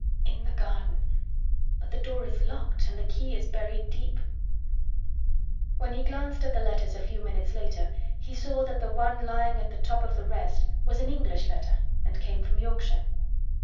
"In the garden! But the door is locked and the key is buried deep." When he glanced at the letters a few minutes later he saw that the one lying at the top of the rest was an English letter and came from Yorkshire.